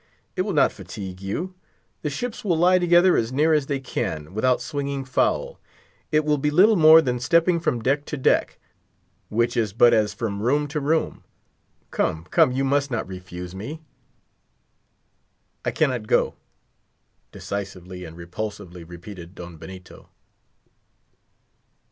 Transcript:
it will not fatigue you. The ships will lie together as near as they can, without swinging foul. It will be little more than stepping from deck to deck; which is but as from room to room. Come, come, you must not refuse me." "I cannot go," decisively and repulsively repeated Don Benito.